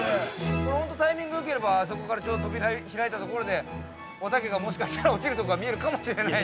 ◆これ、本当タイミングよければあそこから扉が開いたところで、おたけが、もしかしたら、落ちるところが見えるかもしれないので。